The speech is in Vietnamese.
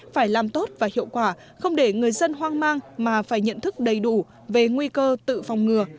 phải làm tốt và hiệu quả không để người dân hoang mang mà phải nhận thức đầy đủ về nguy cơ tự phòng ngừa